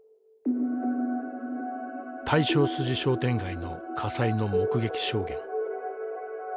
大正筋商店街の火災の目撃証言。